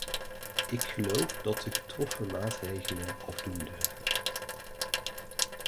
Ik geloof dat de getroffen maatregelen afdoende zijn.